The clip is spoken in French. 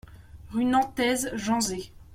Rue Nantaise, Janzé